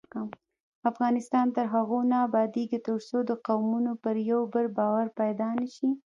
افغانستان تر هغو نه ابادیږي، ترڅو د قومونو پر یو بل باور پیدا نشي.